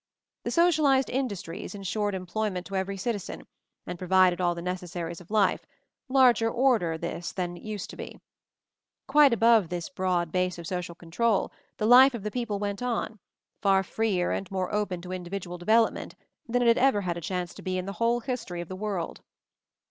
The Socialized industries ensured employ ment to every citizen, and provided all the necessaries of life — larger order this than it used to be. Quite above this broad base of MOVING THE MOUNTAIN 273 social control, the life of the people .went on; far freer and more open to individual de velopment than it had ever had a chance to he in the whole history of the world.